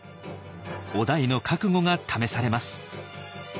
於大の覚悟が試されます。